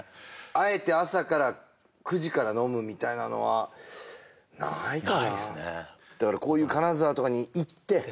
あえて朝から９時から飲むみたいなのはないかなないっすねだからこういう金沢とかに行って